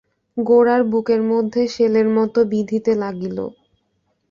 গোরার বুকের মধ্যে শেলের মতো বিঁধিতে লাগিল।